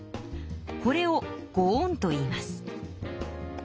これをご恩といいます。